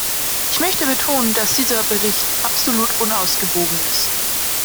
Ich möchte betonen, dass dieser Bericht absolut unausgewogen ist.